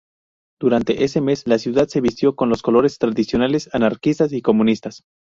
Durante ese mes la ciudad se vistió con los colores tradicionales anarquistas y comunistas.